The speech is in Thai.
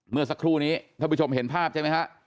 เมื่อสักครู่นี้ท่านผู้ชมเห็นภาพใช่ไหมฮะ